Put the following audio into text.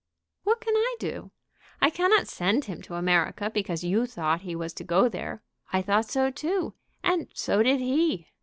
"What can I do? I cannot send him to America because you thought he was to go there. I thought so too; and so did he.